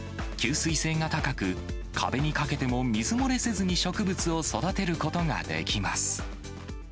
吸水性が高く、壁にかけても水漏れせずに植物を育てることができます。